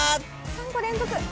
３個連続！